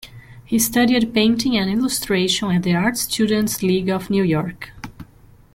He studied painting and illustration at the Art Students League of New York.